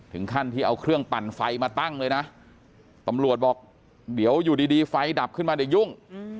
ถึงขั้นที่เอาเครื่องปั่นไฟมาตั้งเลยนะตำรวจบอกเดี๋ยวอยู่ดีไฟดับขึ้นมาเดี๋ยวยุ่ง